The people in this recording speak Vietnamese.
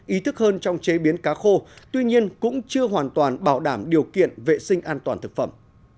ý thức hơn trong chế biến cá khô tuy nhiên cũng chưa hoàn toàn bảo đảm điều kiện vệ sinh an toàn thực phẩm